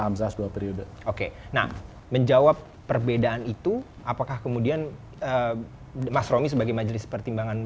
nah menjawab perbedaan itu apakah kemudian mas romi sebagai majelis pertimbangan